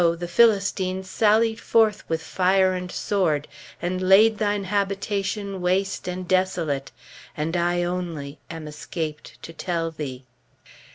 the Philistines sallied forth with fire and sword, and laid thine habitation waste and desolate, and I only am escaped to tell thee.'"